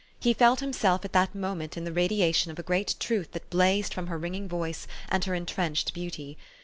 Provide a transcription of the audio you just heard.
He felt him self at that moment in the radiation of a great truth that blazed from her ringing voice and her intrenched beauty.